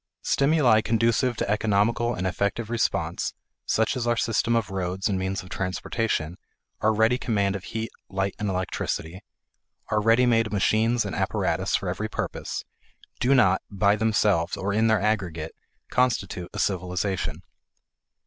Stimuli conducive to economical and effective response, such as our system of roads and means of transportation, our ready command of heat, light, and electricity, our ready made machines and apparatus for every purpose, do not, by themselves or in their aggregate, constitute a civilization.